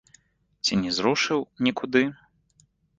Ці не зрушыў нікуды?